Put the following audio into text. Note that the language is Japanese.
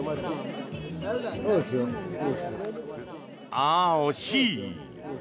ああ、惜しい。